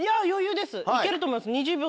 行けると思います。